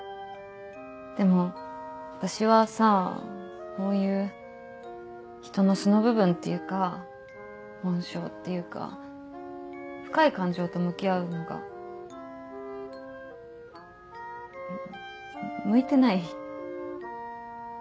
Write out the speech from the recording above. でも私はさそういう人の素の部分っていうか本性っていうか深い感情と向き合うのが向いてない。